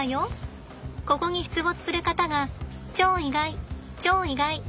ここに出没する方が超意外超意外。